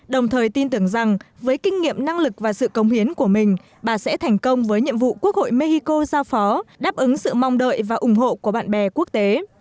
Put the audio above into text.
đồng thời tin tưởng rằng với kinh nghiệm năng lực và sự công hiến của mình bà sẽ thành công với nhiệm vụ quốc hội mexico giao phó đáp ứng sự mong đợi và ủng hộ của bạn bè quốc tế